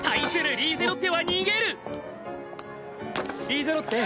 リーゼロッテ。